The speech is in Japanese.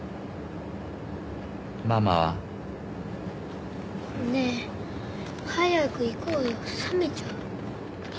ママは？ねえ早く行こうよ。冷めちゃう。